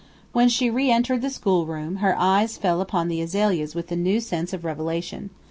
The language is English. When she re entered the schoolroom, her eyes fell upon the azaleas with a new sense of revelation.